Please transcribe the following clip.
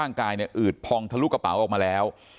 กายเนี่ยอืดพองทะลุกระเป๋าออกมาแล้ว